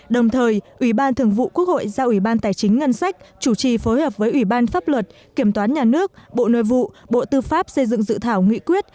đồng thời ủy ban thường vụ quốc hội giao ủy ban tài chính ngân sách chủ trì phối hợp với ủy ban pháp luật kiểm toán nhà nước bộ nội vụ bộ tư pháp xây dựng dự thảo nghị quyết